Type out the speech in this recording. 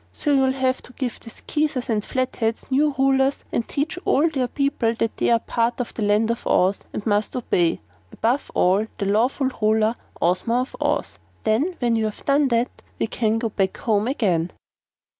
So you'll have to give the Skeezers and Flatheads new rulers and teach all their people that they're part of the Land of Oz and must obey, above all, the lawful Ruler, Ozma of Oz. Then, when you've done that, we can go back home again."